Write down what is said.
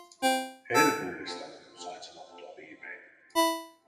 "Herkullista", sain sanotuksi viimein.